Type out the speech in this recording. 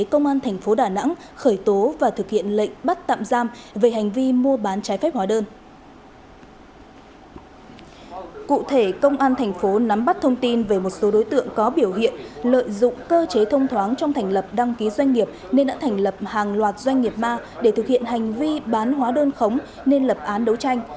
công an thành phố nắm bắt thông tin về một số đối tượng có biểu hiện lợi dụng cơ chế thông thoáng trong thành lập đăng ký doanh nghiệp nên đã thành lập hàng loạt doanh nghiệp ma để thực hiện hành vi bán hóa đơn khống nên lập án đấu tranh